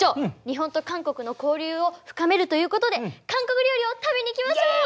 日本と韓国の交流を深めるということで韓国料理を食べに行きましょう！